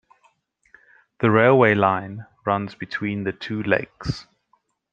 The railway line runs between the two lakes.